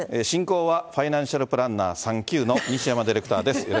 進行はファイナンシャルプランナー３級の西山ディレクターです。